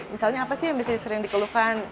misalnya apa sih yang bisa sering dikeluhkan